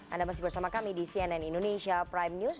anda masih bersama kami di cnn indonesia prime news